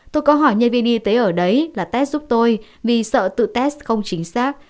tôi có hỏi nhân viên y tế ở đấy là test giúp tôi vì sợ tự test không chính xác